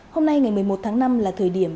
hôm nay ngày một mươi một tháng năm là thời điểm